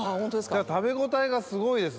食べ応えがすごいです。